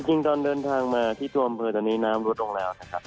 จริงตอนเดินทางมาที่ทวมเผลอจากนี้น้ำลดลงแล้วนะครับ